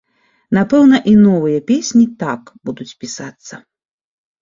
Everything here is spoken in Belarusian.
Напэўна, і новыя песні так будуць пісацца.